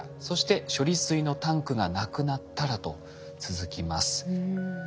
そして処理水のタンクがなくなったらと続きます。